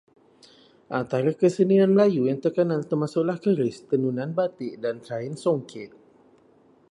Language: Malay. Antara kesenian Melayu yang terkenal termasuklah keris, tenunan batik dan kain songket.